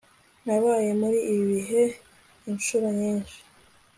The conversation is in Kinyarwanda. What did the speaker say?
nabaye muri ibi bihe inshuro nyinshi